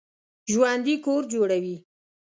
ژوندي کور جوړوي